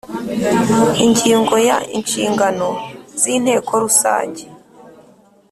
Ingingo ya inshingano z inteko rusange